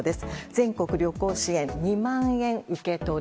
全国旅行支援２万円受け取り。